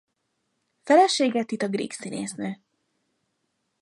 Felesége Tita Grieg színésznő.